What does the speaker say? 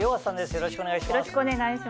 よろしくお願いします。